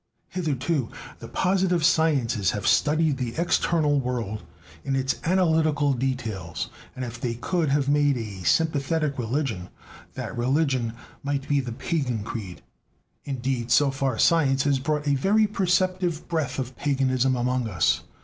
Hitherto the positive sciences have studied the "external world" in its analytical details, and if they could have made a "sympathetic," religion that religion might be the pagan creed. Indeed, so far science has brought a very perceptive breath of paganism among us.